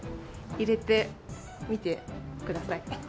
入れてみてください。